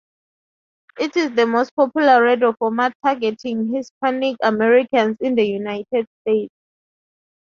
It is the most popular radio format targeting Hispanic Americans in the United States.